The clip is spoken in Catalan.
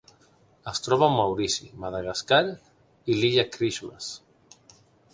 Es troba a Maurici, Madagascar i l'Illa Christmas.